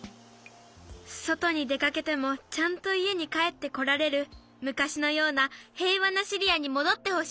そとにでかけてもちゃんといえにかえってこられるむかしのようなへいわなシリアにもどってほしい。